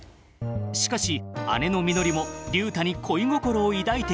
しかし姉のみのりも竜太に恋心を抱いていて。